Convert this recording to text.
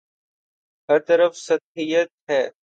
ہر طرف سطحیت ہے۔